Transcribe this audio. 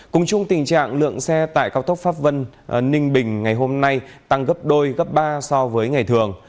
cùng chung tình trạng lượng xe tại cao tốc pháp vân ninh bình ngày hôm nay tăng gấp đôi gấp ba so với ngày thường